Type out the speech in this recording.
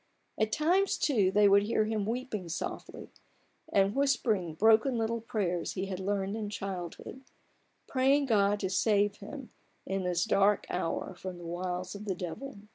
At times, too, they would hear him weeping softly, and whispering the broken little prayers he had learned in childhood : praying God to save him in this dark hour from the wiles of the devil.